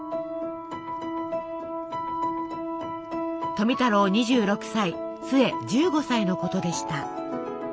富太郎２６歳壽衛１５歳のことでした。